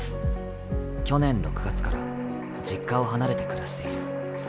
去年６月から、実家を離れて暮らしている。